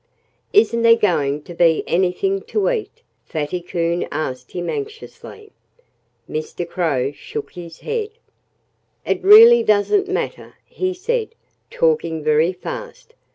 "Isn't there going to be anything to eat?" Fatty Coon asked him anxiously. Mr. Crow shook his head. "It really doesn't matter," he said, talking very fast.